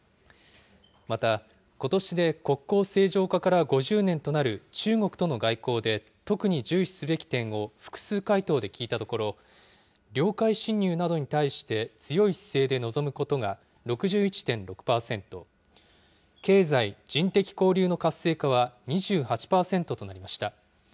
また、ことしで国交正常化から５０年となる中国との外交で特に重視すべき点を複数回答で聞いたところ、領海侵入などに対して強い姿勢で臨むことが６１．６％、経済・人的交流の活性化は２８％となりました。